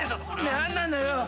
何なのよ。